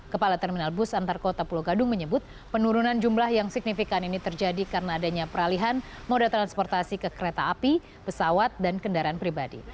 kepala terminal bus antar kota pulau gadung menyebut penurunan jumlah yang signifikan ini terjadi karena adanya peralihan moda transportasi ke kereta api pesawat dan kendaraan pribadi